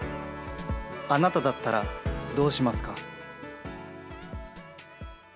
あなただったらどうしますか？